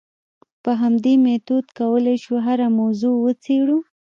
په همدې میتود کولای شو هره موضوع وڅېړو.